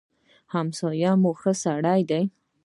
همسايه مو ښه سړی دی.